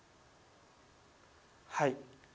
はい。